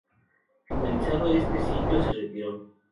Finalizado este ciclo, se retiró.